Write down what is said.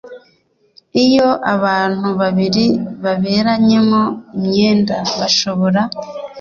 iyo abantu babiri baberanyemo imyenda hashobora